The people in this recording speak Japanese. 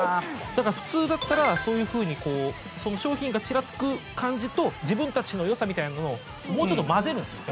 だから普通だったらそういうふうに商品がチラつく感じと自分たちの良さみたいなのをもうちょっと混ぜるんですよ